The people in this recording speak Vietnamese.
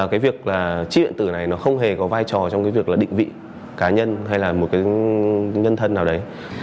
cái việc là chi điện tử này nó không hề có vai trò trong cái việc là định vị cá nhân hay là một cái nhân thân nào đấy